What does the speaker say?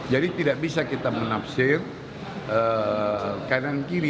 jadi tidak bisa kita menafsir kanan kiri